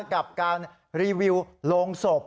กับการรีวิวโรงศพ